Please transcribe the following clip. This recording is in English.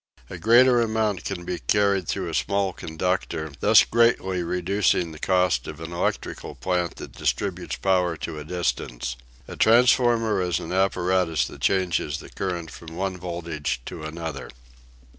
A greater amount can be carried through a small conductor; thus greatly reducing the cost of an electrical plant that distributes power to a distance. A transformer is an apparatus that changes the current from one voltage to another.